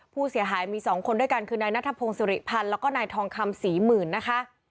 ผู้เสียหายมี๒คนด้วยกันคือนายนัทพงศิริพันธ์แล้วก็นายทองคำศรีหมื่นนะคะ